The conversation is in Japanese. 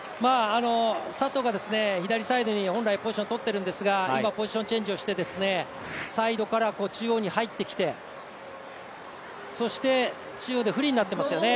佐藤が、左サイドに本来ポジションをとっているんですが、今、ポジションチェンジをしてサイドから中央に入ってきてそして中央でフリーになってますよね